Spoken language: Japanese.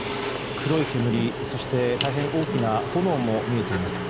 黒い煙、そして大変大きな炎も見えています。